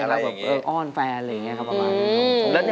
บ้อนแฟน